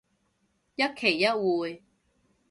一期一會